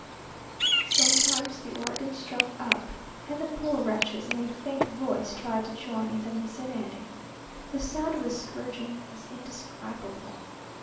Sometimes the organ struck up, and the poor wretches, in a faint voice, tried to join in the Miserere. The sound of the scourging is indescribable.